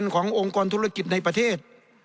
ขององค์กรธุรกิจในประเทศ